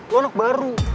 ini tempat baru